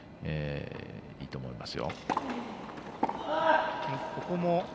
いいと思いますよ。